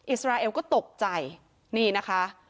อิสราเอลก็ตกใจนี่นะคะ